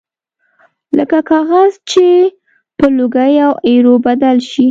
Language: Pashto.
لکه کاغذ چې په لوګي او ایرو بدل شي